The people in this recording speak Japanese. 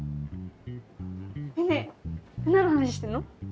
ねえねえ何の話してんの？